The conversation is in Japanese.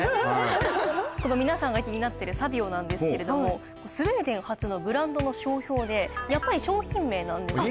この皆さんが気になってるサビオなんですけれどもスウェーデン発のブランドの商標でやっぱり商品名なんですよ。